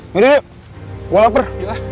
yaudah yuk gue lapar